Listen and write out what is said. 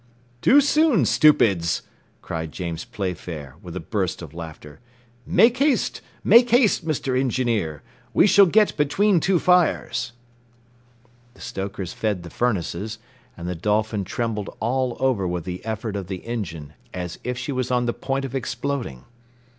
"Too soon, stupids," cried James Playfair, with a burst of laughter. "Make haste, make haste, Mr. Engineer! We shall get between two fires." The stokers fed the furnaces, and the Dolphin trembled all over with the effort of the engine as if she was on the point of exploding.